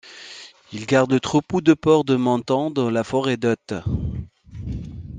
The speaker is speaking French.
Il garde le troupeau de porcs de Montan dans la forêt d'Othe.